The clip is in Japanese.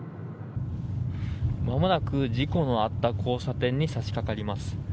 まもなく事故のあった交差点に差し掛かります。